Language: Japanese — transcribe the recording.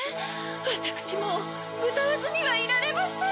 わたくしもううたわずにはいられません。